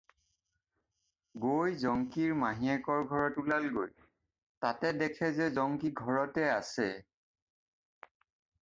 গৈ জংকিৰ মাহীয়েকৰ ঘৰত ওলালগৈ, তাতে দেখে যে জংকি ঘৰতে আছে।